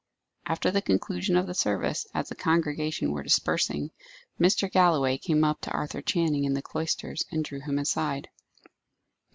After the conclusion of the service, as the congregation were dispersing, Mr. Galloway came up to Arthur Channing in the cloisters, and drew him aside.